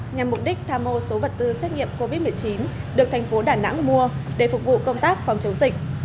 nhằm mục đích tham mô số vật tư xét nghiệm covid một mươi chín được thành phố đà nẵng mua để phục vụ công tác phòng chống dịch